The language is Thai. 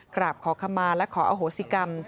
กราบขอขมาและขออโหสิกรรม